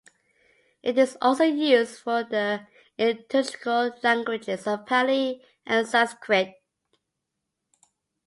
It is also used for the liturgical languages of Pali and Sanskrit.